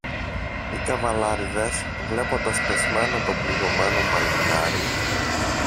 Οι καβαλάρηδες, βλέποντας πεσμένο το πληγωμένο παλικάρι